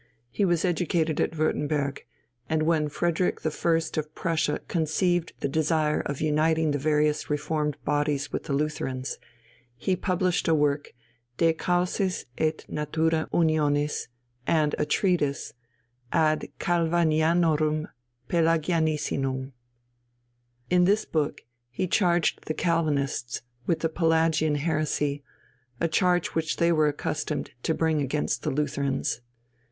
He was educated at Würtemberg, and when Frederick I. of Prussia conceived the desire of uniting the various reformed bodies with the Lutherans, he published a work De causis et natura unionis, and a treatise Ad Calvanianorum Pelagianisinum. In this book he charged the Calvinists with the Pelagian heresy a charge which they were accustomed to bring against the Lutherans.